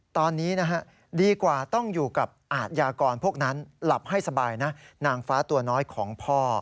ตอนนี้นะฮะดีกว่าต้องอยู่กับอาทยากรพวกนั้นหลับให้สบายนะนางฟ้าตัวน้อยของพ่อ